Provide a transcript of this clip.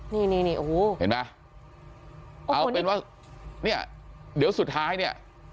นี่นี่โอ้โหเห็นไหมเอาเป็นว่าเนี่ยเดี๋ยวสุดท้ายเนี่ย